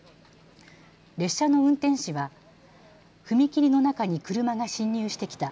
列車の運転士は踏切の中に車が進入してきた。